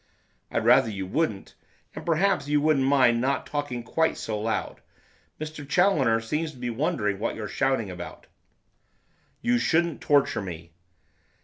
'I'd rather you wouldn't, and perhaps you wouldn't mind not talking quite so loud. Mr Challoner seems to be wondering what you're shouting about.' 'You shouldn't torture me.